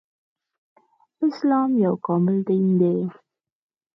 اسلام يو کامل دين دی